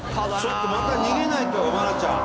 ちょっとまた逃げないと愛菜ちゃん。